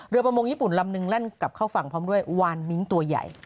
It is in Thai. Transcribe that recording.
ประมงญี่ปุ่นลำนึงแล่นกลับเข้าฝั่งพร้อมด้วยวานมิ้งตัวใหญ่